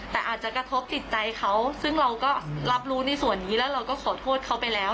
แต่อาจจะกระทบติดใจเขาซึ่งเราก็รับรู้ในส่วนนี้แล้วเราก็ขอโทษเขาไปแล้ว